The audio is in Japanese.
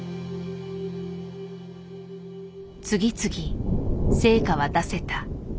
次々成果は出せた。